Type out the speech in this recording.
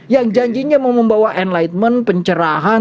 yang janjinya mau membawa enlightenment pencerahan